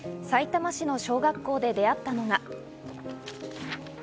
さいたま市の小学校で出会ったのが。